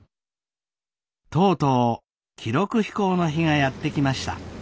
とうとう記録飛行の日がやって来ました。